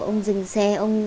ông dừng xe